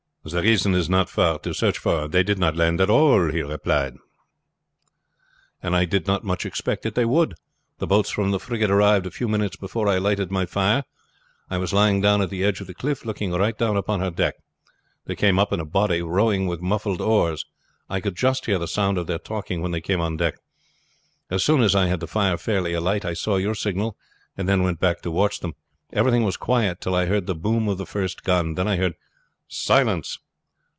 "The reason is not far to search for," he replied. "They did not land at all, and I did not much expect that they would. The boats from the frigate arrived a few minutes before I lighted my fire. I was lying down at the edge of the cliff, looking right down upon her deck. They came up in a body, rowing with muffled oars. I could just hear the sound of their talking when they came on deck. As soon as I had the fire fairly alight I saw your signal and then went back to watch them. Everything was quiet till I heard the boom of the first gun; then I heard 'Silence!'